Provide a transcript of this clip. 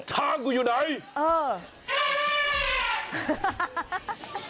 ช้างกูอยู่ไหนเออ